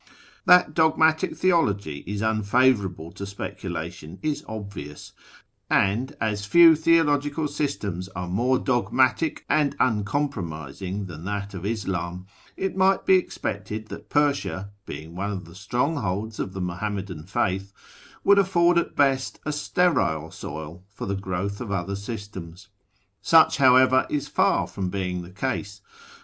That dogmatic theology is unfavourable to speculation is obvious, and as few theological systems are more dogmatic and uncompromising than that of Islam, it might be expected that Persia, being one of the strongholds of the Muhammadan faith, would afford at best a sterile soil for the growth of other systems. Such, however, is far from being the case.